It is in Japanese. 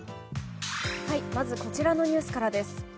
まずこちらのニュースからです。